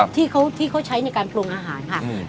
ที่เขาใช้ในการปรุงอาหารค่ะ